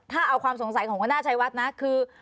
ถ้าเอาความสงสัยของหัวหน้าชัยวัดนะคือ